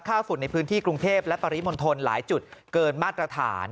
ฝุ่นในพื้นที่กรุงเทพและปริมณฑลหลายจุดเกินมาตรฐาน